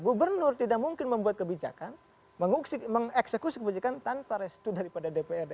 gubernur tidak mungkin membuat kebijakan mengeksekusi kebijakan tanpa restu daripada dprd